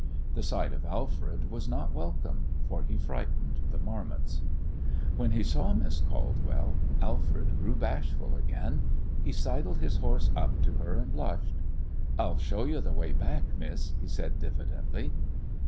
The sight of Alfred was not welcome, for he frightened the marmots. When he saw Miss Caldwell, Alfred grew bashful again. He sidled his horse up to her and blushed. "I'll show you th' way back, miss," he said, diffidently.